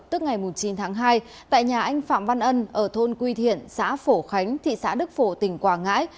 tức ngày chín tháng hai tại nhà anh phạm văn ân ở thôn quy thiện xã phổ khánh thị xã đức phổ tỉnh quảng ngãi